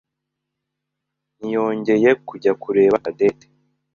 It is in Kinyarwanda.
ntiyongeye kujya kureba Cadette.